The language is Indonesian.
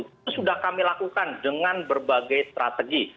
itu sudah kami lakukan dengan berbagai strategi